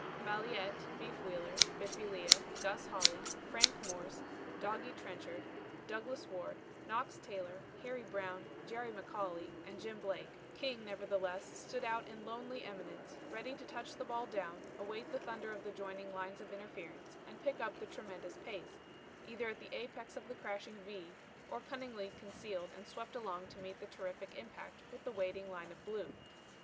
Balliet, Beef Wheeler, Biffy Lea, Gus Holly, Frank Morse, Doggy Trenchard, Douglas Ward, Knox Taylor, Harry Brown, Jerry McCauley, and Jim Blake; King, nevertheless, stood out in lonely eminence, ready to touch the ball down, await the thunder of the joining lines of interference and pick up the tremendous pace, either at the apex of the crashing V or cunningly concealed and swept along to meet the terrific impact with the waiting line of Blue.